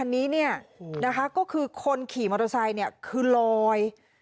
อันนี้เนี่ยนะคะก็คือคนขี่มอเตอร์ไซค์เนี่ยคือลอย